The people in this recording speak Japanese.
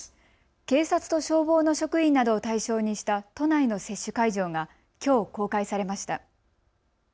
警察と消防の職員などを対象にした都内の接種会場がきょう公開されました。